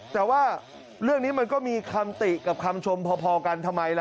แต่ว่าเรื่องนี้มันก็มีคำติกับคำชมพอกันทำไมล่ะ